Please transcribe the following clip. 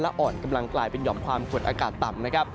และอ่อนกำลังกลายเป็นยอมความกดอากาศต่ำ